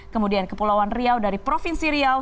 kemudian kepulauan riau dari provinsi riau